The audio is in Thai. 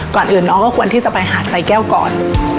ก่อนอื่นน้องก็ควรที่จะไปหาดไซแก้วก่อน